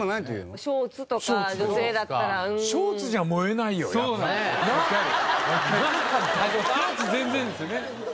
ショーツ全然ですよね。